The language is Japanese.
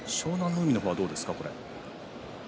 海の方はどうですか？